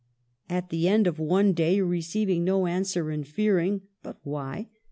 At the end of one day, receiving no answer, and fearing (but why